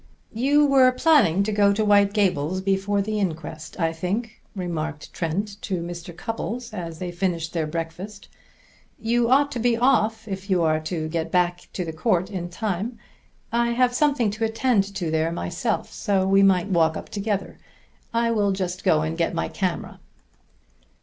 "You were planning to go to White Gables before the inquest, I think," remarked Trent to Mr. Cupples as they finished their breakfast. "You ought to be off, if you are to get back to the court in time. I have something to attend to there myself, so we might walk up together. I will just go and get my camera."